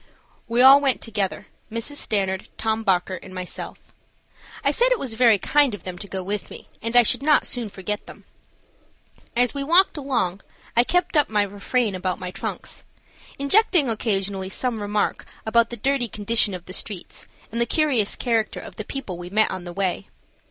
We all went together, Mrs. Stanard, Tom Bockert, and myself. I said it was very kind of them to go with me, and I should not soon forget them. As we walked along I kept up my refrain about my trucks, injecting occasionally some remark about the dirty condition of the streets and the curious character of the people we met on the way.